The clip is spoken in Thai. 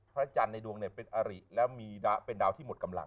พระจันทร์ในดวงเป็นอริแล้วมีเป็นดาวที่หมดกำลัง